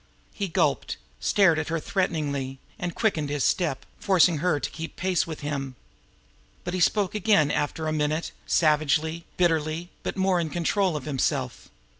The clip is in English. He gulped, stared at her threateningly, and quickened his step, forcing her to keep pace with him. But he spoke again after a minute, savagely, bitterly, but more in control of himself.